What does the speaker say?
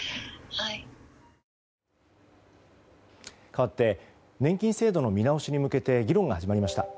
かわって年金制度の見直しに向けて議論が始まりました。